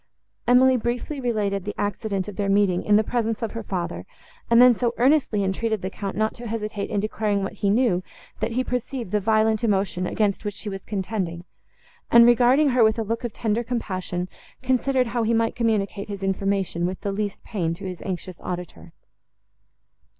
Emily briefly related the accident of their meeting in the presence of her father, and then so earnestly entreated the Count not to hesitate in declaring what he knew, that he perceived the violent emotion, against which she was contending, and, regarding her with a look of tender compassion, considered how he might communicate his information with least pain to his anxious auditor.